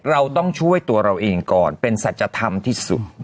เราต้องช่วยตัวเราเองก่อนเป็นสัจธรรมที่สุด